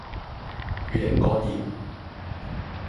乙型肝炎